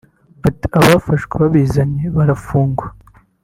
Ati “Abafashwe babizanye barafungwa